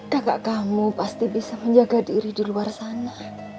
dagak kamu pasti bisa menjaga diri di luar sana